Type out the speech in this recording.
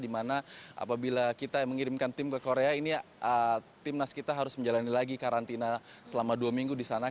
dimana apabila kita mengirimkan tim ke korea ini tim nas kita harus menjalani lagi karantina selama dua minggu disana